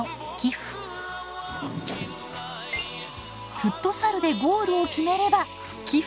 フットサルでゴールを決めれば寄付。